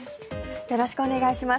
よろしくお願いします。